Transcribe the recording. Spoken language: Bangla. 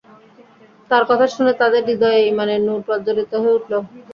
তাঁর কথা শুনে তাঁদের হৃদয়ে ঈমানের নূর প্রজ্জ্বলিত হয়ে উঠল।